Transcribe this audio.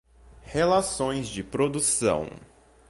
relações de produção